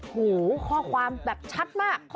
หูข้อความแบบชัดมาก